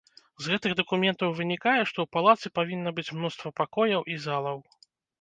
З гэтых дакументаў вынікае, што ў палацы павінна быць мноства пакояў і залаў.